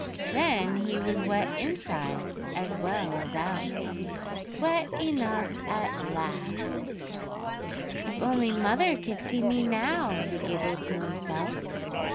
Then he was wet inside as well as out—wet enough at last. "'If only mother could see me now,' he giggled to himself.